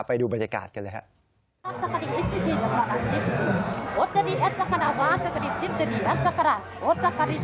ไปดูบรรยากาศกันเลยครับ